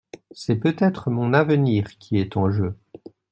C'est peut-être mon avenir qui est en jeu.